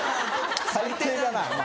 最低だな。